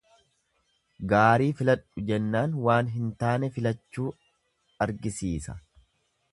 Gaarii filadhu jennaan waan hin taane filachuu argisiisa.